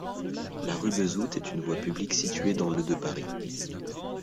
La rue Bezout est une voie publique située dans le de Paris.